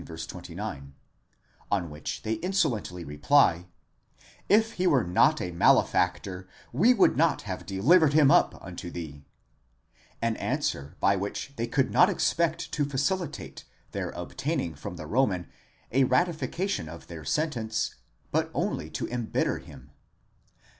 29), on which they insolently reply: Jf he were not a malefactor, we would not have delivered him up unto thee: an answer by which they could not expect to facilitate their obtaining from the Roman a ratification of their sentence,* but only to embitter him.